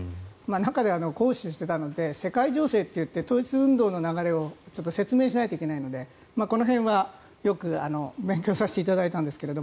中では講師をしていたので世界情勢といって統一運動の流れを説明しないといけないのでこの辺はよく勉強させていただいたんですが。